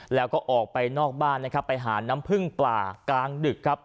แล้วก็ออกไปนอกบ้านหาน้ำพื้งปลากลางดึก